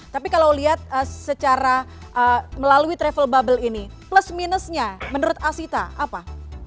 tapi kalau lihat secara melalui travel bubble ini plus minusnya menurut asita apa